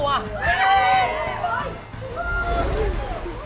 มันน่ะ